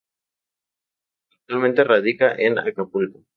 Actualmente radica en Acapulco.